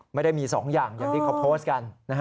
ไม่ได้มี๒อย่างอย่างที่เขาโพสต์กัน